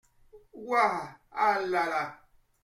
Ouah !… ah ! là ! là !…